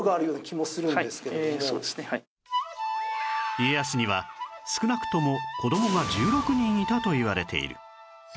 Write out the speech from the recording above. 家康には少なくとも子どもが１６人いたといわれている